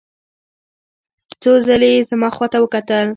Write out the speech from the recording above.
څو ځلې یې زما خواته وکتل.